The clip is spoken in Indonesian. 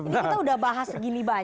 ini kita udah bahas segini banyak